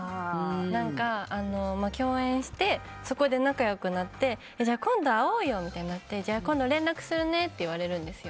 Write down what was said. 共演して、そこで仲良くなって今度会おうよみたいになってじゃあ今度連絡するねって言われるんですよ。